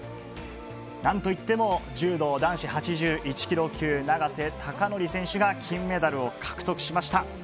なんといっても、柔道男子８１キロ級、永瀬貴規選手が金メダルを獲得しました。